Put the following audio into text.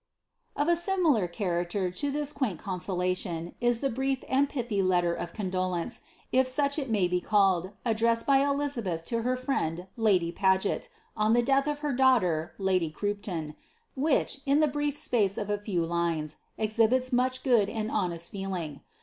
Of a similar character to this quaint consolation is the brief and piihy letter of condolence, if such il may be called, addressed by Elizabeth to her friend, lady Paget, on the death of her daughter, lady Crumptoo, which, in the brief space ofa few lines, exhibits much good and honest feeling.